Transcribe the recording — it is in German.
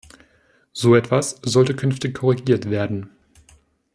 So etwas sollte künftig korrigiert werden.